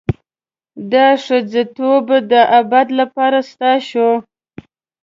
دا ښځتوب د ابد لپاره ستا شو.